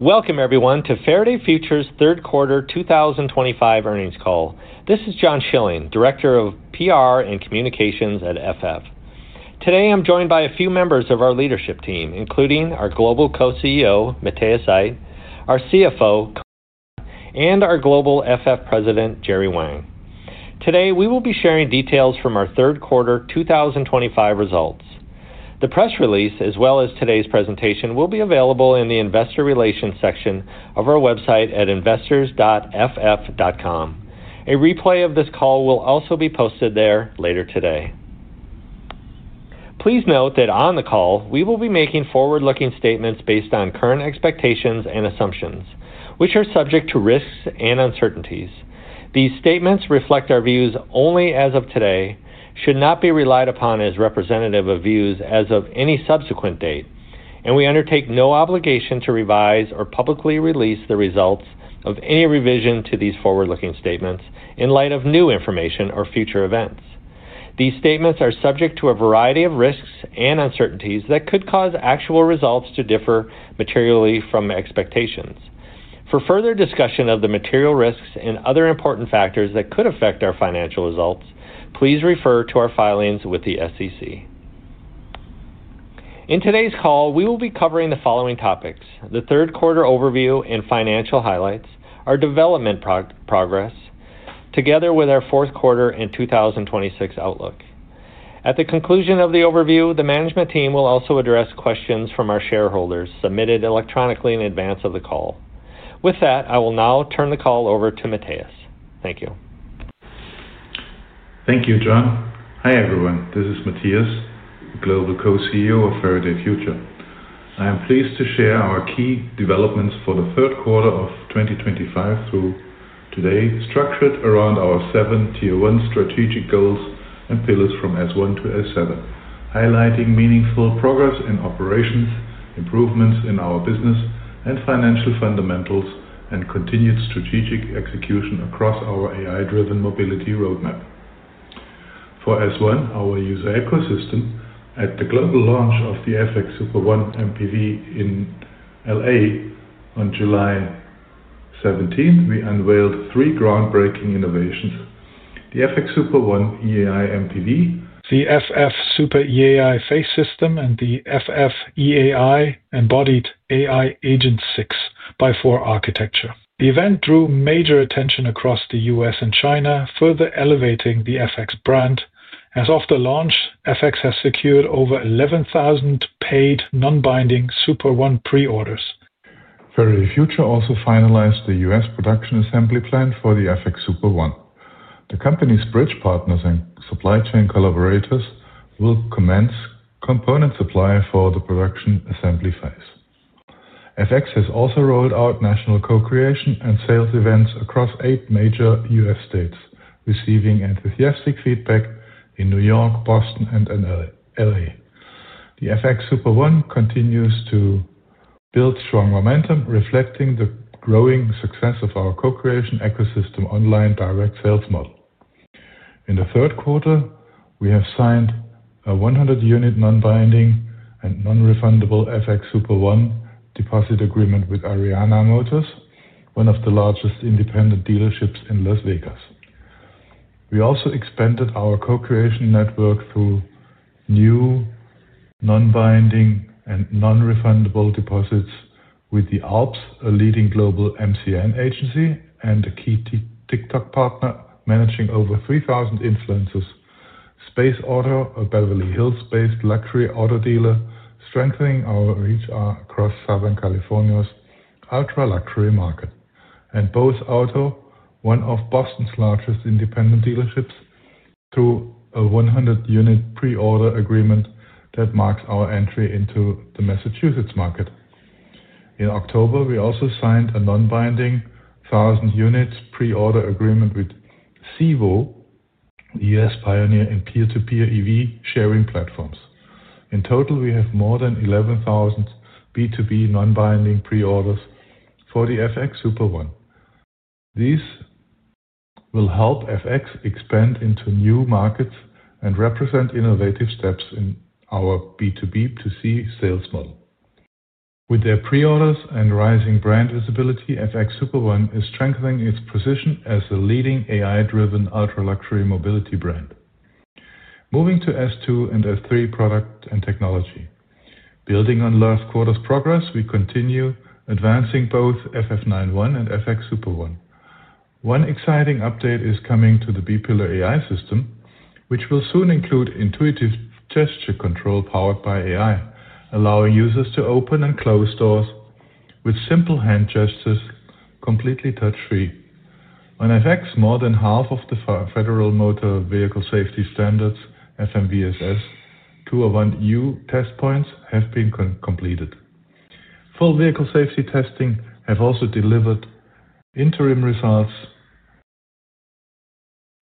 Welcome, everyone, to Faraday Future's third quarter 2025 earnings call. This is John Schilling, Director of PR and Communications at FF. Today, I'm joined by a few members of our leadership team, including our Global Co-CEO, Matthias Aydt, our CFO, and our Global FF President, Jerry Wang. Today, we will be sharing details from our third quarter 2025 results. The press release, as well as today's presentation, will be available in the Investor Relations section of our website at investors.ff.com. A replay of this call will also be posted there later today. Please note that on the call, we will be making forward-looking statements based on current expectations and assumptions, which are subject to risks and uncertainties. These statements reflect our views only as of today, should not be relied upon as representative of views as of any subsequent date, and we undertake no obligation to revise or publicly release the results of any revision to these forward-looking statements in light of new information or future events. These statements are subject to a variety of risks and uncertainties that could cause actual results to differ materially from expectations. For further discussion of the material risks and other important factors that could affect our financial results, please refer to our filings with the SEC. In today's call, we will be covering the following topics: the third quarter overview and financial highlights, our development progress, together with our fourth quarter and 2026 outlook. At the conclusion of the overview, the management team will also address questions from our shareholders submitted electronically in advance of the call. With that, I will now turn the call over to Matthias. Thank you. Thank you, John. Hi, everyone. This is Matthias, Global Co-CEO of Faraday Future. I am pleased to share our key developments for the third quarter of 2025 through today, structured around our seven Tier 1 strategic goals and pillars from S1 to S7, highlighting meaningful progress in operations, improvements in our business and financial fundamentals, and continued strategic execution across our AI-driven mobility roadmap. For S1, our user ecosystem, at the global launch of the FX Super One MPV in Los Angeles on July 17, we unveiled three groundbreaking innovations: the FX Super One EAI-MPV. The FF Super EAI Face System and the FF EAI Embodied AI Agent 6x4 architecture. The event drew major attention across the U.S. and China, further elevating the FX brand. As of the launch, FX has secured over 11,000 paid non-binding Super One pre-orders. Faraday Future also finalized the U.S. production assembly plan for the FX Super One. The company's bridge partners and supply chain collaborators will commence component supply for the production assembly phase. FX has also rolled out national co-creation and sales events across eight major U.S. states, receiving enthusiastic feedback in New York, Boston, and Los Angeles. The FX Super One continues to build strong momentum, reflecting the growing success of our co-creation ecosystem online direct sales model. In the third quarter, we have signed a 100-unit non-binding and non-refundable FX Super One deposit agreement with Ariana Motors, one of the largest independent dealerships in Las Vegas. We also expanded our co-creation network through new non-binding and non-refundable deposits with ALPS, a leading global MCN agency and a key TikTok partner managing over 3,000 influencers, Space Auto, a Beverly Hills-based luxury auto dealer, strengthening our reach across Southern California's ultra-luxury market, and Bose Auto, one of Boston's largest independent dealerships, through a 100-unit pre-order agreement that marks our entry into the Massachusetts market. In October, we also signed a non-binding 1,000-unit pre-order agreement with Zevo, the U.S. pioneer in peer-to-peer EV sharing platforms. In total, we have more than 11,000 B2B non-binding pre-orders for the FX Super One. These will help FX expand into new markets and represent innovative steps in our B2B to C sales model. With their pre-orders and rising brand visibility, FX Super One is strengthening its position as a leading AI-driven ultra-luxury mobility brand. Moving to S2 and S3 product and technology. Building on last quarter's progress, we continue advancing both FF 91 and FX Super One. One exciting update is coming to the B-pillar AI system, which will soon include intuitive gesture control powered by AI, allowing users to open and close doors with simple hand gestures, completely touch-free. On FX, more than half of the Federal Motor Vehicle Safety Standards (FMVSS) 201U test points have been completed. Full vehicle safety testing has also delivered interim results.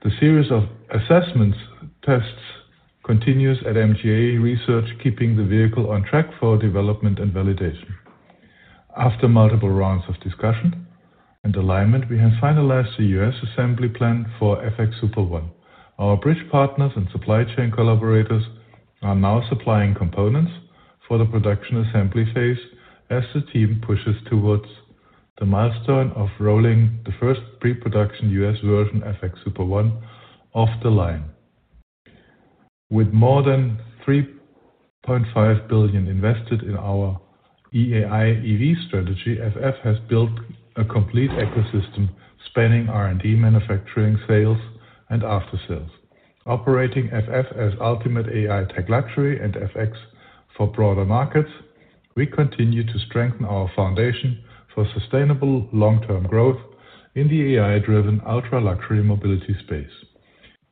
The series of assessment tests continues at MGA Research, keeping the vehicle on track for development and validation. After multiple rounds of discussion and alignment, we have finalized the U.S. assembly plan for FX Super One. Our bridge partners and supply chain collaborators are now supplying components for the production assembly phase as the team pushes towards the milestone of rolling the first pre-production U.S. version FX Super One off the line. With more than $3.5 billion invested in our EAI EV strategy, FF has built a complete ecosystem spanning R&D, manufacturing, sales, and after-sales. Operating FF as ultimate AI tech luxury and FX for broader markets, we continue to strengthen our foundation for sustainable long-term growth in the AI-driven ultra-luxury mobility space.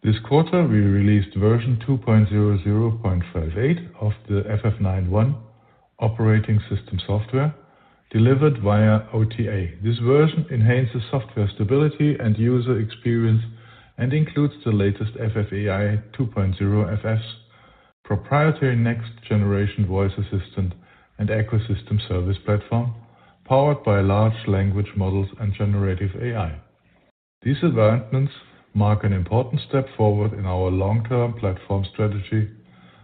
This quarter, we released version 2.00.58 of the FF 91 operating system software, delivered via OTA. This version enhances software stability and user experience and includes the latest FFAI 2.0, FF's proprietary next-generation voice assistant and ecosystem service platform, powered by large language models and generative AI. These advancements mark an important step forward in our long-term platform strategy.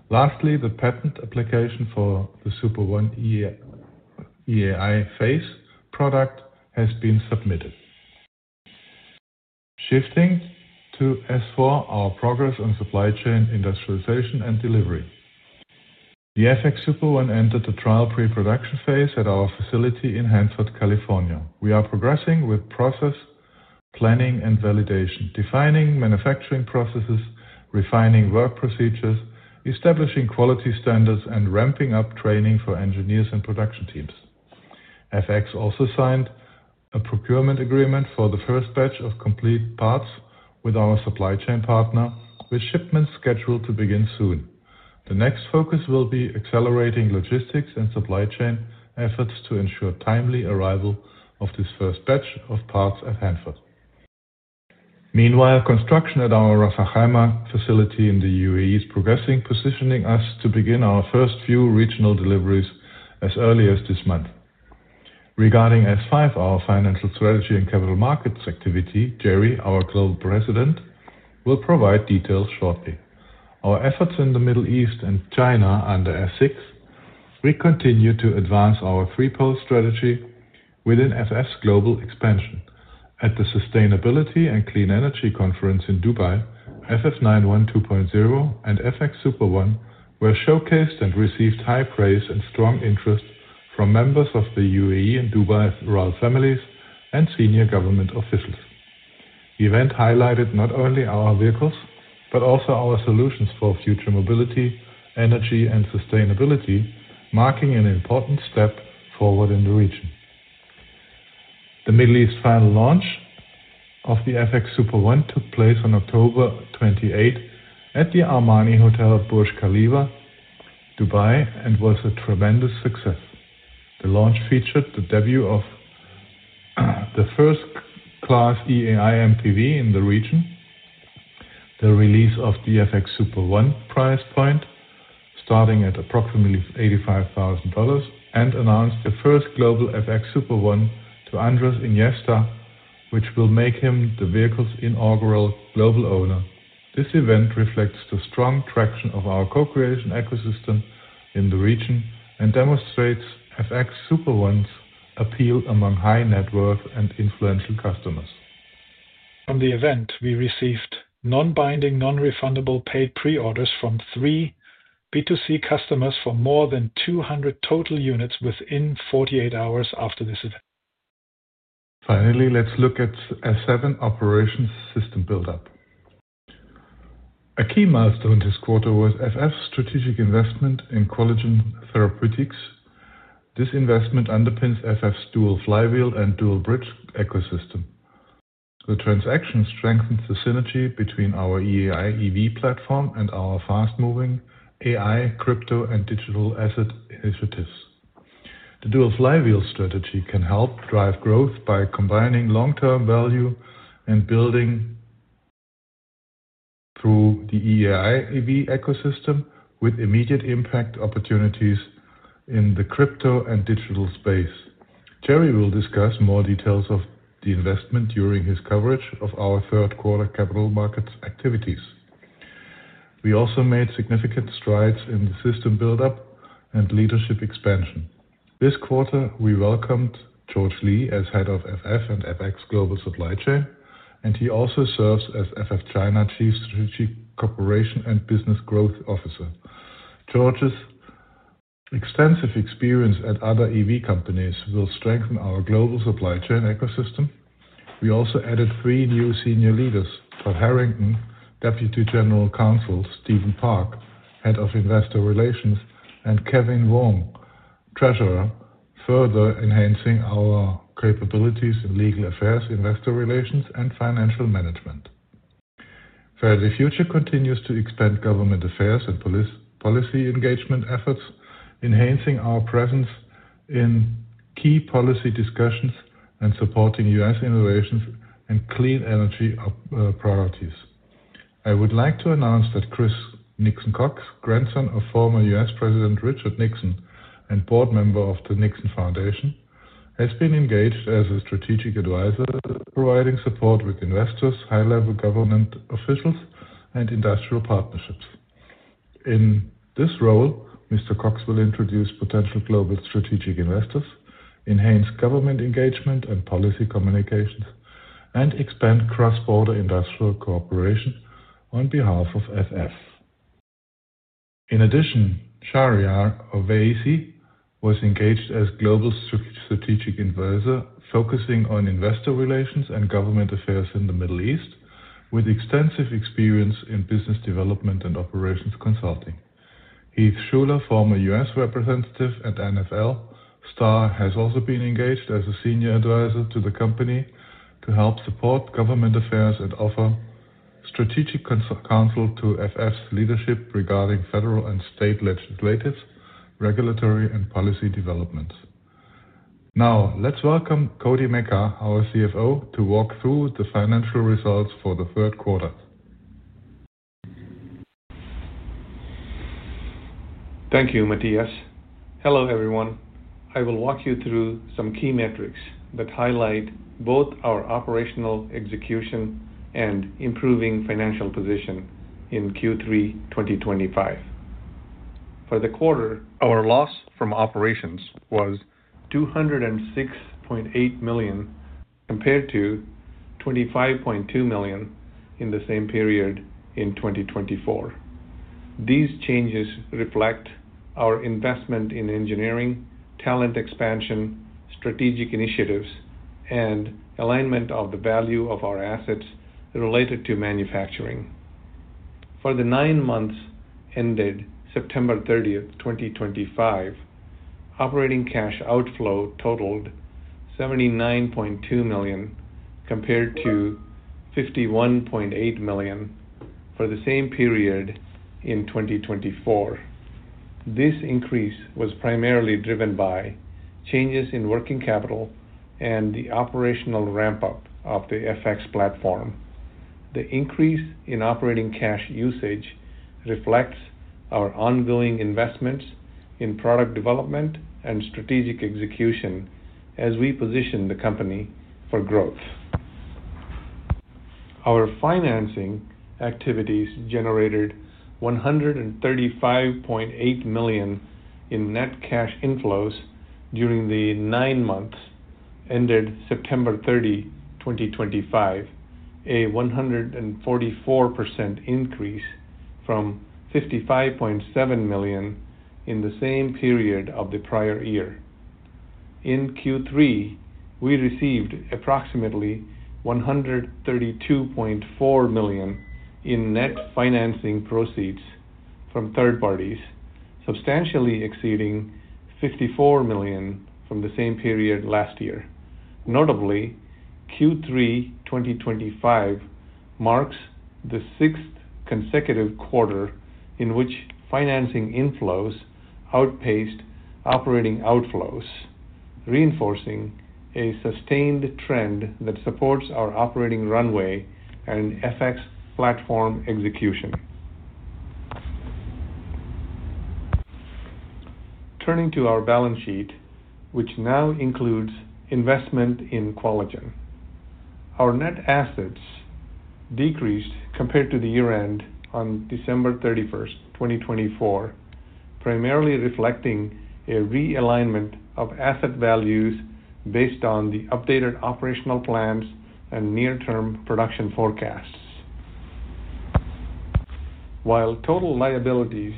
Lastly, the patent application for the Super One EAI phase product has been submitted. Shifting to S4, our progress on supply chain industrialization and delivery. The FX Super One entered the trial pre-production phase at our facility in Hanford, California. We are progressing with process planning and validation, defining manufacturing processes, refining work procedures, establishing quality standards, and ramping up training for engineers and production teams. FX also signed a procurement agreement for the first batch of complete parts with our supply chain partner, with shipments scheduled to begin soon. The next focus will be accelerating logistics and supply chain efforts to ensure timely arrival of this first batch of parts at Hanford. Meanwhile, construction at our Ras Al Khaimah facility in the U.A.E. is progressing, positioning us to begin our first few regional deliveries as early as this month. Regarding S5, our financial strategy and capital markets activity, Jerry, our Global President, will provide details shortly. Our efforts in the Middle East and China under S6, we continue to advance our three-pole strategy within FF's global expansion. At the Sustainability and Clean Energy Conference in Dubai, FF 91 2.0 and FX Super One were showcased and received high praise and strong interest from members of the U.A.E. and Dubai royal families and senior government officials. The event highlighted not only our vehicles but also our solutions for future mobility, energy, and sustainability, marking an important step forward in the region. The Middle East final launch of the FX Super One took place on October 28 at the Almani Hotel Burj Khalifa, Dubai, and was a tremendous success. The launch featured the debut of the first-class EAI-MPV in the region, the release of the FX Super One price point starting at approximately $85,000, and announced the first global FX Super One to Andres Iniesta, which will make him the vehicle's inaugural global owner. This event reflects the strong traction of our co-creation ecosystem in the region and demonstrates FX Super One's appeal among high-net-worth and influential customers. From the event, we received non-binding, non-refundable paid pre-orders from three B2C customers for more than 200 total units within 48 hours after this event. Finally, let's look at S7 operations system build-up. A key milestone this quarter was FF's strategic investment in Collagen Therapeutics. This investment underpins FF's dual flywheel and dual bridge ecosystem. The transaction strengthens the synergy between our EAI EV platform and our fast-moving AI, crypto, and digital asset initiatives. The dual flywheel strategy can help drive growth by combining long-term value and building through the EAI EV ecosystem with immediate impact opportunities in the crypto and digital space. Jerry will discuss more details of the investment during his coverage of our third quarter capital markets activities. We also made significant strides in the system build-up and leadership expansion. This quarter, we welcomed George Li as Head of FF and FX Global Supply Chain, and he also serves as FF China Chief Strategic Cooperation and Business Growth Officer. George's extensive experience at other EV companies will strengthen our global supply chain ecosystem. We also added three new senior leaders: Todd Harrington, Deputy General Counsel, Steven Park, Head of Investor Relations, and Kevin Voong, Treasurer, further enhancing our capabilities in legal affairs, investor relations, and financial management. Faraday Future continues to expand government affairs and policy engagement efforts, enhancing our presence in key policy discussions and supporting U.S. innovations and clean energy priorities. I would like to announce that Chris Nixon Cox, grandson of former U.S. President Richard Nixon and board member of the Nixon Foundation, has been engaged as a strategic advisor, providing support with investors, high-level government officials, and industrial partnerships. In this role, Mr. Cox will introduce potential global strategic investors, enhance government engagement and policy communications, and expand cross-border industrial cooperation on behalf of FF. In addition, Shahryar Oveissi was engaged as Global Strategic Advisor, focusing on investor relations and government affairs in the Middle East, with extensive experience in business development and operations consulting. Heath Schuler, former U.S. Representative and NFL star, has also been engaged as a Senior Advisor to the company to help support government affairs and offer strategic counsel to FF's leadership regarding federal and state legislative, regulatory, and policy developments. Now, let's welcome Koti Meka, our CFO, to walk through the financial results for the third quarter. Thank you, Matthias. Hello, everyone. I will walk you through some key metrics that highlight both our operational execution and improving financial position in Q3 2025. For the quarter, our loss from operations was $206.8 million compared to $25.2 million in the same period in 2024. These changes reflect our investment in engineering, talent expansion, strategic initiatives, and alignment of the value of our assets related to manufacturing. For the nine months ended September 30th, 2025, operating cash outflow totaled $79.2 million compared to $51.8 million for the same period in 2024. This increase was primarily driven by changes in working capital and the operational ramp-up of the FX platform. The increase in operating cash usage reflects our ongoing investments in product development and strategic execution as we position the company for growth. Our financing activities generated $135.8 million in net cash inflows during the nine months ended September 30, 2025, a 144% increase from $55.7 million in the same period of the prior year. In Q3, we received approximately $132.4 million in net financing proceeds from third parties, substantially exceeding $54 million from the same period last year. Notably, Q3 2025 marks the sixth consecutive quarter in which financing inflows outpaced operating outflows, reinforcing a sustained trend that supports our operating runway and FX platform execution. Turning to our balance sheet, which now includes investment in Collagen. Our net assets decreased compared to the year-end on December 31st, 2024, primarily reflecting a realignment of asset values based on the updated operational plans and near-term production forecasts. While total liabilities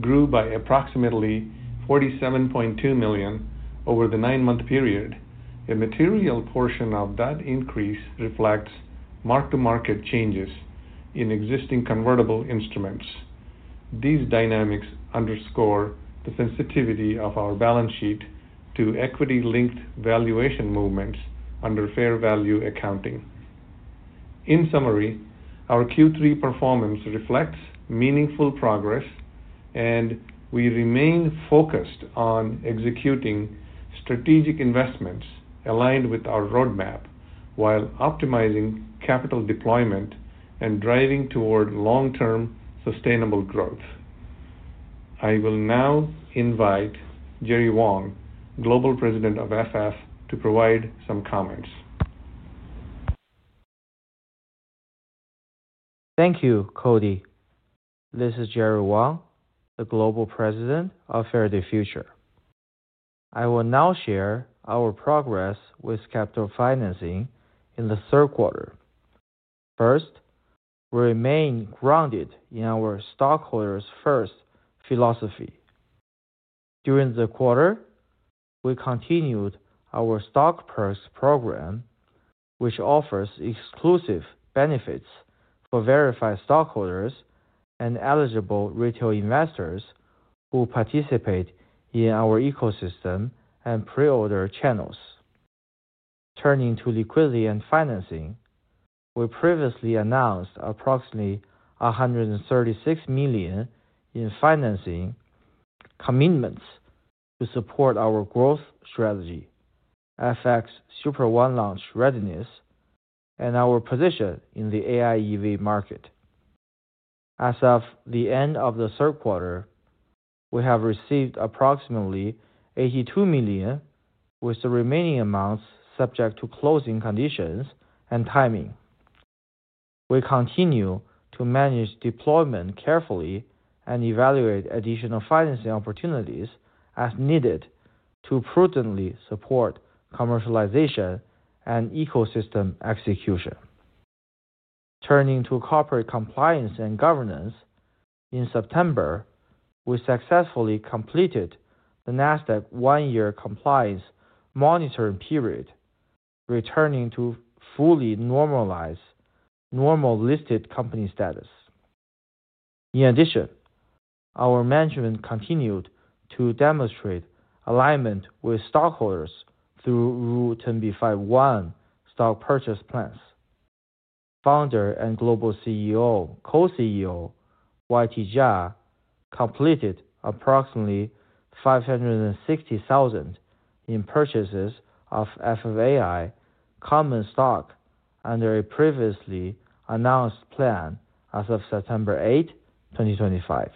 grew by approximately $47.2 million over the nine-month period, a material portion of that increase reflects mark-to-market changes in existing convertible instruments. These dynamics underscore the sensitivity of our balance sheet to equity-linked valuation movements under fair value accounting. In summary, our Q3 performance reflects meaningful progress, and we remain focused on executing strategic investments aligned with our roadmap while optimizing capital deployment and driving toward long-term sustainable growth. I will now invite Jerry Wang, Global President of Faraday Future, to provide some comments. Thank you, Koti. This is Jerry Wang, the Global President of Faraday Future. I will now share our progress with capital financing in the third quarter. First, we remain grounded in our stockholders' first philosophy. During the quarter, we continued our stock perks program, which offers exclusive benefits for verified stockholders and eligible retail investors who participate in our ecosystem and pre-order channels. Turning to liquidity and financing, we previously announced approximately $136 million in financing commitments to support our growth strategy, FX Super One launch readiness, and our position in the AI EV market. As of the end of the third quarter, we have received approximately $82 million, with the remaining amounts subject to closing conditions and timing. We continue to manage deployment carefully and evaluate additional financing opportunities as needed to prudently support commercialization and ecosystem execution. Turning to corporate compliance and governance, in September, we successfully completed the Nasdaq one-year compliance monitoring period, returning to fully normalized normal listed company status. In addition, our management continued to demonstrate alignment with stockholders through Rule 10b5-1 stock purchase plans. Founder and Global Co-CEO YT Jia completed approximately $560,000 in purchases of FFAI Common Stock under a previously announced plan as of September 8, 2025.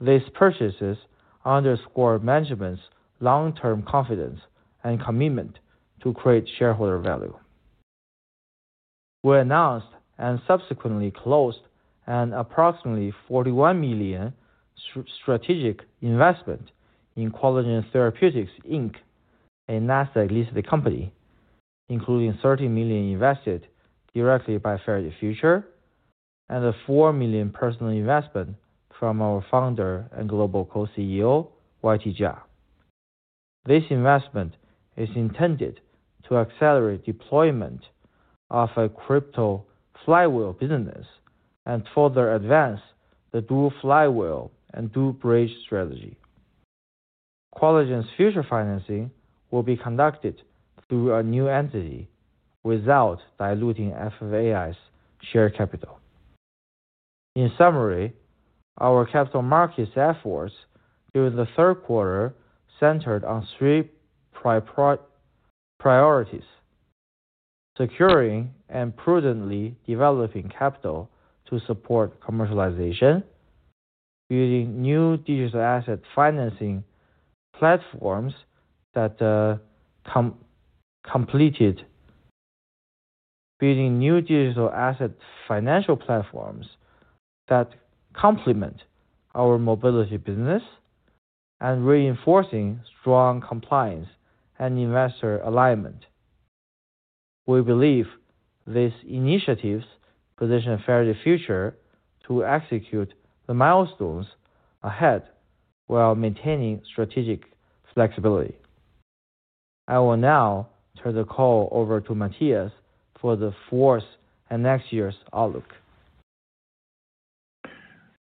These purchases underscore management's long-term confidence and commitment to create shareholder value. We announced and subsequently closed an approximately $41 million strategic investment in Collagen Therapeutics, a Nasdaq-listed company, including $30 million invested directly by Faraday Future and a $4 million personal investment from our founder and Global Co-CEO, YT Jia. This investment is intended to accelerate deployment of a crypto flywheel business and further advance the dual flywheel and dual bridge strategy. Collagen's future financing will be conducted through a new entity without diluting FFAI's share capital. In summary, our capital markets efforts during the third quarter centered on three priorities: securing and prudently developing capital to support commercialization, building new digital asset financing platforms that completed, building new digital asset financial platforms that complement our mobility business, and reinforcing strong compliance and investor alignment. We believe these initiatives position Faraday Future to execute the milestones ahead while maintaining strategic flexibility. I will now turn the call over to Matthias for the fourth and next year's outlook.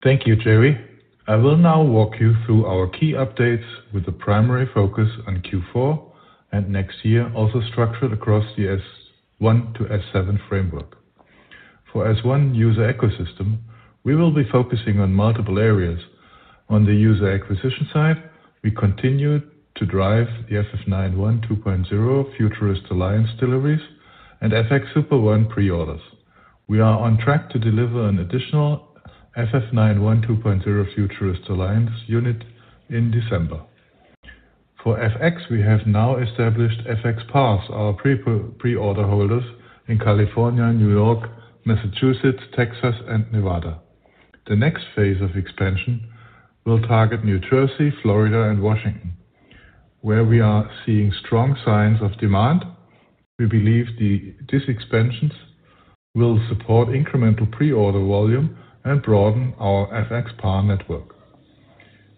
Thank you, Jerry. I will now walk you through our key updates with a primary focus on Q4 and next year, also structured across the S1 to S7 framework. For S1 user ecosystem, we will be focusing on multiple areas. On the user acquisition side, we continue to drive the FF 91 2.0 Futurist Alliance deliveries and FX Super One pre-orders. We are on track to deliver an additional FF 91 2.0 Futurist Alliance unit in December. For FX, we have now established FX Paths, our pre-order holders in California, New York, Massachusetts, Texas, and Nevada. The next phase of expansion will target New Jersey, Florida, and Washington, where we are seeing strong signs of demand. We believe these expansions will support incremental pre-order volume and broaden our FX Path network.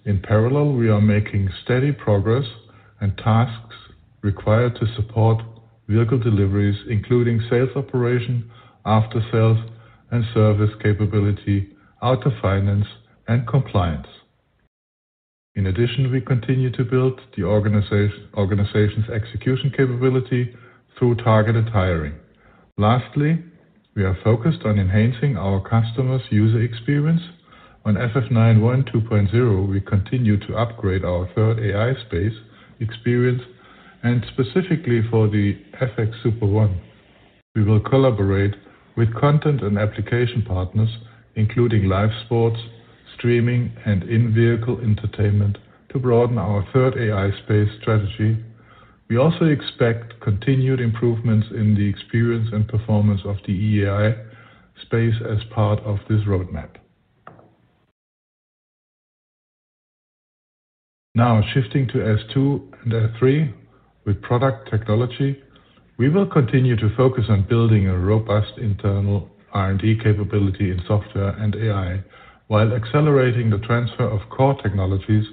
In parallel, we are making steady progress on tasks required to support vehicle deliveries, including sales operation, after-sales, and service capability, auto finance, and compliance. In addition, we continue to build the organization's execution capability through targeted hiring. Lastly, we are focused on enhancing our customers' user experience. On FF 91 2.0, we continue to upgrade our third AI space experience, and specifically for the FX Super One. We will collaborate with content and application partners, including live sports, streaming, and in-vehicle entertainment, to broaden our third AI space strategy. We also expect continued improvements in the experience and performance of the EAI space as part of this roadmap. Now, shifting to S2 and S3 with product technology, we will continue to focus on building a robust internal R&D capability in software and AI, while accelerating the transfer of core technologies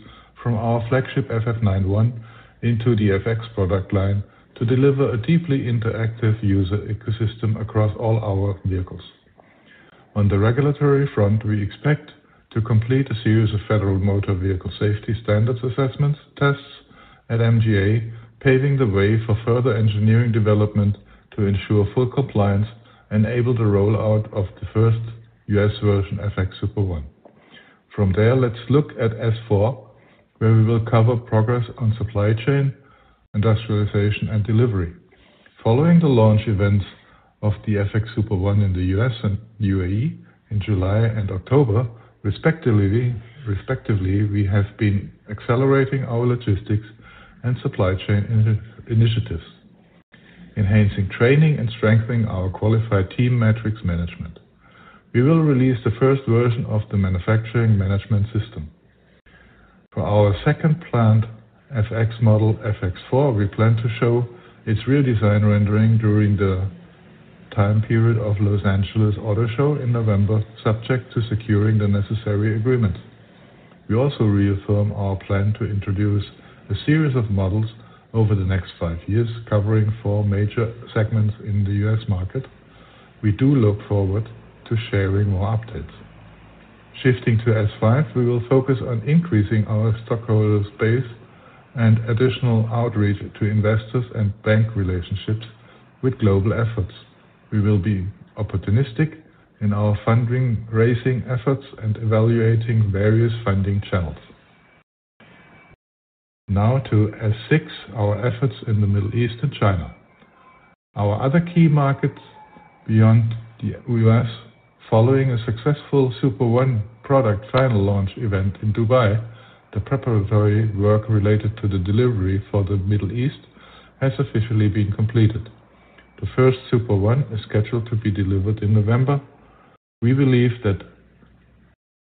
from our flagship FF 91 into the FX product line to deliver a deeply interactive user ecosystem across all our vehicles. On the regulatory front, we expect to complete a series of Federal Motor Vehicle Safety Standards assessments tests at MGA, paving the way for further engineering development to ensure full compliance and enable the rollout of the first U.S. version FX Super One. From there, let's look at S4, where we will cover progress on supply chain, industrialization, and delivery. Following the launch events of the FX Super One in the U.S. and U.A.E. in July and October, respectively, we have been accelerating our logistics and supply chain initiatives, enhancing training and strengthening our qualified team metrics management. We will release the first version of the manufacturing management system. For our second planned FX model, FX4, we plan to show its real design rendering during the time period of Los Angeles Auto Show in November, subject to securing the necessary agreements. We also reaffirm our plan to introduce a series of models over the next five years, covering four major segments in the U.S. market. We do look forward to sharing more updates. Shifting to S5, we will focus on increasing our stockholder space and additional outreach to investors and bank relationships with global efforts. We will be opportunistic in our funding raising efforts and evaluating various funding channels. Now to S6, our efforts in the Middle East and China. Our other key markets beyond the U.S., following a successful Super One product final launch event in Dubai, the preparatory work related to the delivery for the Middle East has officially been completed. The first Super One is scheduled to be delivered in November. We believe that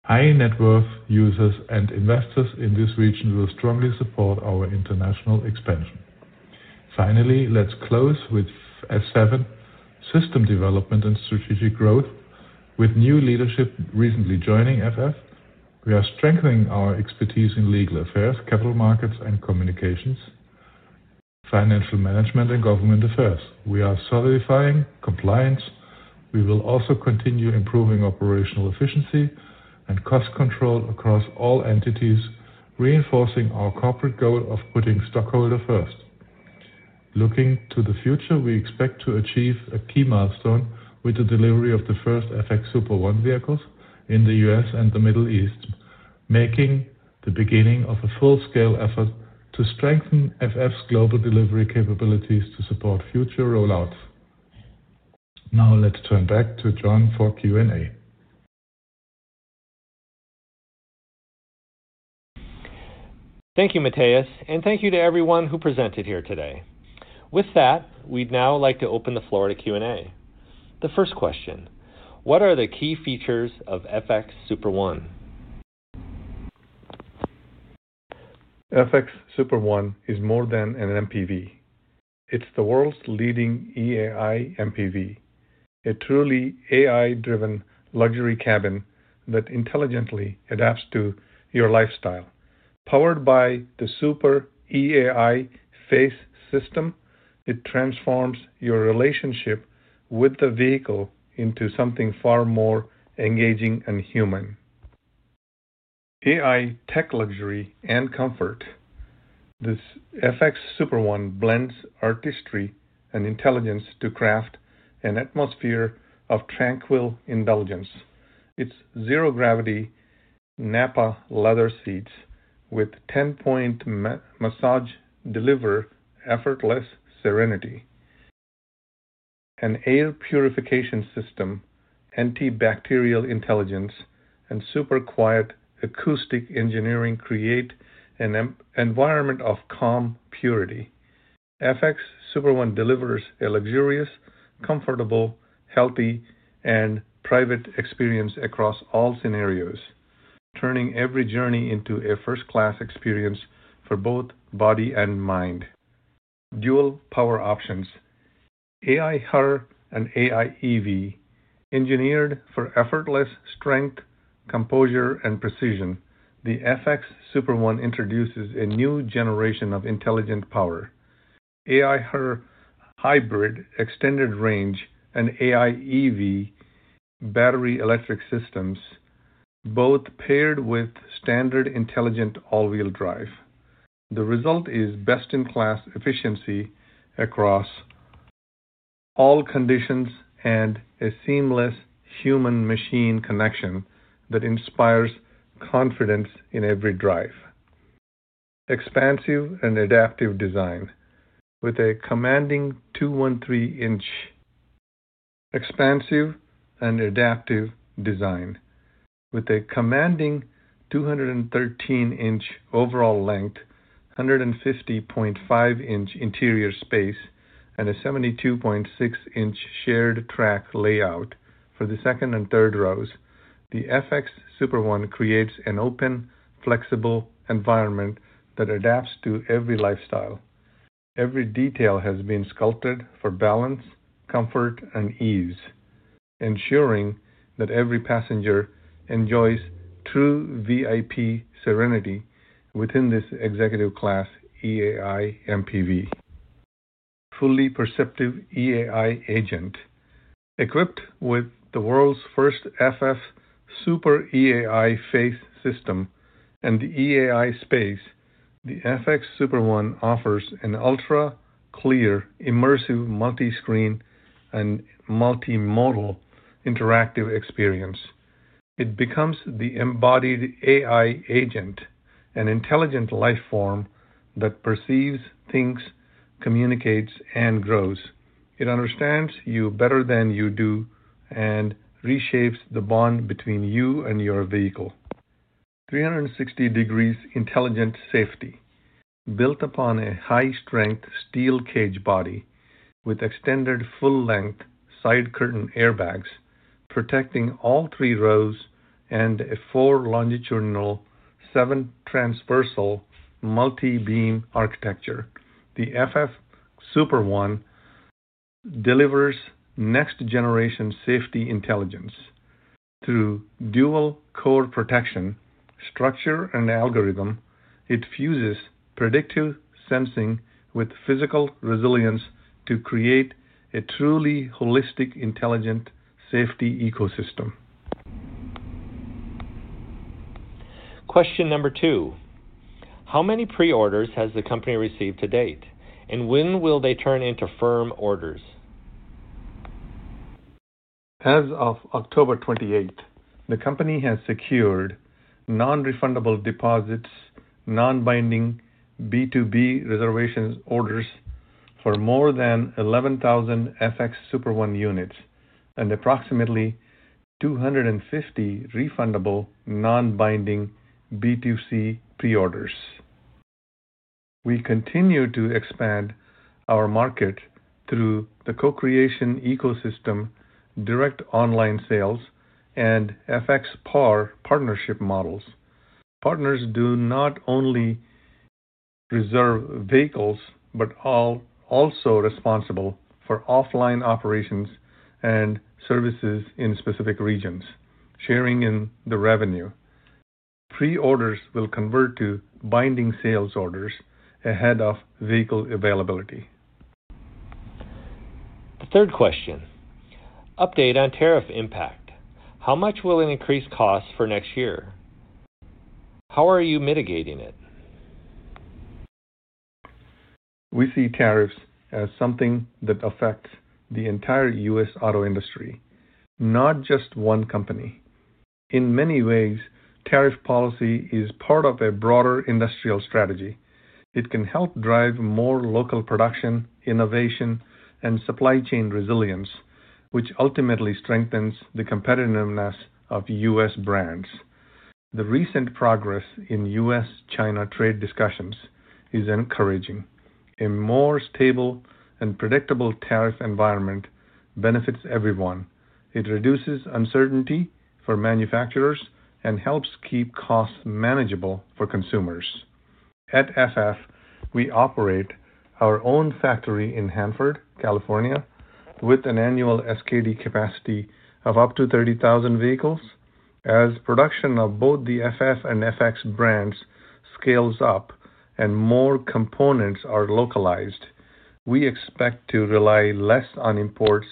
high net worth users and investors in this region will strongly support our international expansion. Finally, let's close with S7, system development and strategic growth. With new leadership recently joining FF, we are strengthening our expertise in legal affairs, capital markets, and communications, financial management, and government affairs. We are solidifying compliance. We will also continue improving operational efficiency and cost control across all entities, reinforcing our corporate goal of putting stockholder first. Looking to the future, we expect to achieve a key milestone with the delivery of the first FX Super One vehicles in the U.S. and the Middle East, marking the beginning of a full-scale effort to strengthen FF's global delivery capabilities to support future rollouts. Now, let's turn back to John for Q&A. Thank you, Matthias, and thank you to everyone who presented here today. With that, we'd now like to open the floor to Q&A. The first question: What are the key features of FX Super One? FX Super One is more than an MPV. It's the world's leading EAI-MPV, a truly AI-driven luxury cabin that intelligently adapts to your lifestyle. Powered by the Super EAI Face system, it transforms your relationship with the vehicle into something far more engaging and human. AI tech luxury and comfort. This FX Super One blends artistry and intelligence to craft an atmosphere of tranquil indulgence. Its zero-gravity Nappa leather seats with 10-point massage deliver effortless serenity. An air purification system, antibacterial intelligence, and super quiet acoustic engineering create an environment of calm purity. FX Super One delivers a luxurious, comfortable, healthy, and private experience across all scenarios, turning every journey into a first-class experience for both body and mind. Dual power options: AIHER and AI EV. Engineered for effortless strength, composure, and precision, the FX Super One introduces a new generation of intelligent power: AIHER hybrid extended range and AI EV battery electric systems, both paired with standard intelligent all-wheel drive. The result is best-in-class efficiency across all conditions and a seamless human-machine connection that inspires confidence in every drive. Expansive and adaptive design with a commanding 213-inch overall length, 150.5-inch interior space, and a 72.6-inch shared track layout for the second and third rows, the FX Super One creates an open, flexible environment that adapts to every lifestyle. Every detail has been sculpted for balance, comfort, and ease, ensuring that every passenger enjoys true VIP serenity within this executive-class EAI-MPV. Fully perceptive EAI agent. Equipped with the world's first FF Super EAI Face system and the EAI Space, the FX Super One offers an ultra-clear, immersive multi-screen and multi-modal interactive experience. It becomes the embodied AI agent, an intelligent life form that perceives, thinks, communicates, and grows. It understands you better than you do and reshapes the bond between you and your vehicle. 360-degree intelligent safety. Built upon a high-strength steel cage body with extended full-length side curtain airbags, protecting all three rows and a four-longitudinal, seven-transversal multi-beam architecture, the FF Super One delivers next-generation safety intelligence. Through dual-core protection structure and algorithm, it fuses predictive sensing with physical resilience to create a truly holistic intelligent safety ecosystem. Question number two: How many pre-orders has the company received to date, and when will they turn into firm orders? As of October 28, the company has secured non-refundable deposits, non-binding B2B reservation orders for more than 11,000 FX Super One units and approximately 250 refundable non-binding B2C pre-orders. We continue to expand our market through the co-creation ecosystem, direct online sales, and FX Par partnership models. Partners do not only reserve vehicles but are also responsible for offline operations and services in specific regions, sharing in the revenue. Pre-orders will convert to binding sales orders ahead of vehicle availability. The third question: Update on tariff impact. How much will it increase costs for next year? How are you mitigating it? We see tariffs as something that affects the entire U.S. auto industry, not just one company. In many ways, tariff policy is part of a broader industrial strategy. It can help drive more local production, innovation, and supply chain resilience, which ultimately strengthens the competitiveness of U.S. brands. The recent progress in U.S.-China trade discussions is encouraging. A more stable and predictable tariff environment benefits everyone. It reduces uncertainty for manufacturers and helps keep costs manageable for consumers. At FF, we operate our own factory in Hanford, California, with an annual SKD capacity of up to 30,000 vehicles. As production of both the FF and FX brands scales up and more components are localized, we expect to rely less on imports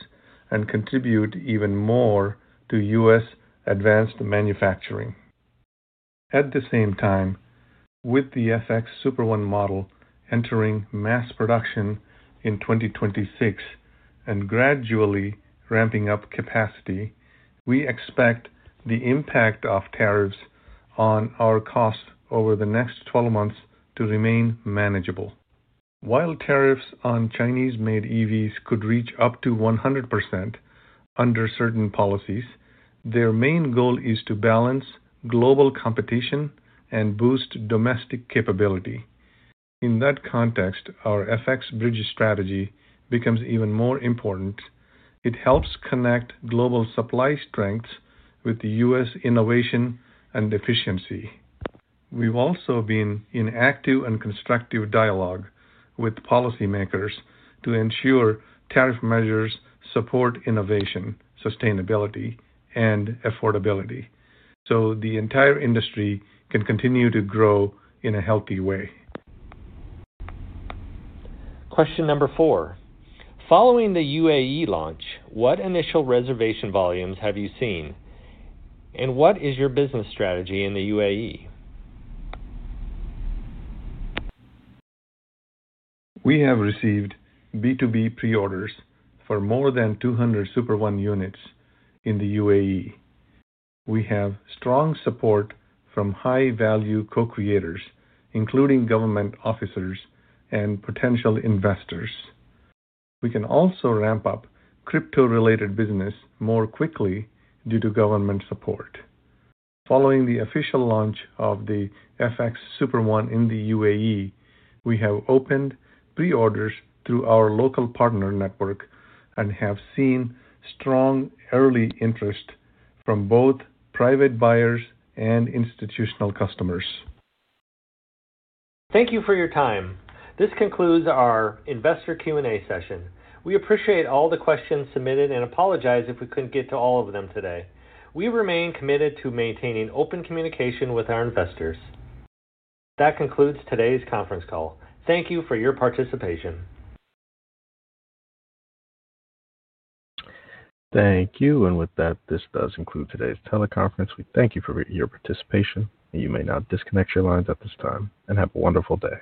and contribute even more to U.S. advanced manufacturing. At the same time, with the FX Super One model entering mass production in 2026 and gradually ramping up capacity, we expect the impact of tariffs on our costs over the next 12 months to remain manageable. While tariffs on Chinese-made EVs could reach up to 100% under certain policies, their main goal is to balance global competition and boost domestic capability. In that context, our FX bridge strategy becomes even more important. It helps connect global supply strengths with U.S. innovation and efficiency. We've also been in active and constructive dialogue with policymakers to ensure tariff measures support innovation, sustainability, and affordability so the entire industry can continue to grow in a healthy way. Question number four: Following the U.A.E. launch, what initial reservation volumes have you seen, and what is your business strategy in the U.A.E.? We have received B2B pre-orders for more than 200 Super One units in the U.A.E. We have strong support from high-value co-creators, including government officers and potential investors. We can also ramp up crypto-related business more quickly due to government support. Following the official launch of the FX Super One in the U.A.E., we have opened pre-orders through our local partner network and have seen strong early interest from both private buyers and institutional customers. Thank you for your time. This concludes our investor Q&A session. We appreciate all the questions submitted and apologize if we could not get to all of them today. We remain committed to maintaining open communication with our investors. That concludes today's conference call. Thank you for your participation. Thank you. With that, this does include today's teleconference. We thank you for your participation. You may now disconnect your lines at this time and have a wonderful day.